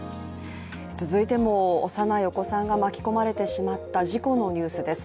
続いても、幼いお子さんが巻き込まれてしまった事故のニュースです。